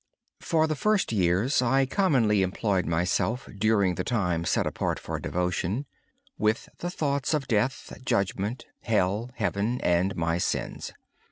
For the first years, I commonly employed myself during the time set apart for devotion with thoughts of death, judgment, hell, heaven, and my sins.